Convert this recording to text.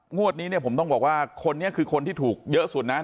งวดนี้เนี่ยผมต้องบอกว่าคนนี้คือคนที่ถูกเยอะสุดนะ